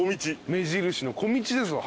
目印の小道ですわ。